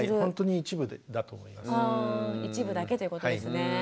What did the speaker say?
あ一部だけということですね。